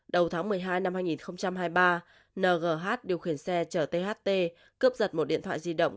đầu tháng một mươi hai năm hai nghìn hai mươi ba ngh điều khiển xe chở tht cướp giật một điện thoại di động